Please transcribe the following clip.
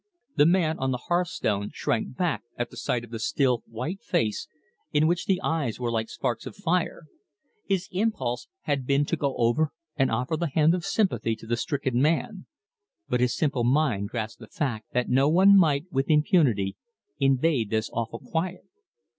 The man on the hearth stone shrank back at the sight of the still, white face, in which the eyes were like sparks of fire. His impulse had been to go over and offer the hand of sympathy to the stricken man, but his simple mind grasped the fact that no one might, with impunity, invade this awful quiet.